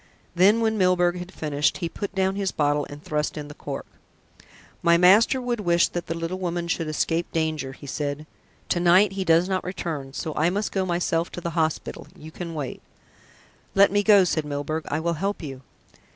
Then, when Milburgh had finished, he put down his bottle and thrust in the cork. "My master would wish that the little woman should escape danger," he said. "To night he does not return, so I must go myself to the hospital you can wait." "Let me go," said Milburgh. "I will help you."